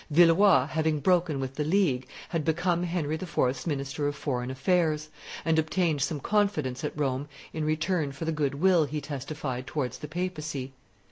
Villeroi, having broken with the League, had become Henry IV.'s minister of foreign affairs, and obtained some confidence at Rome in return for the good will he testified towards the papacy.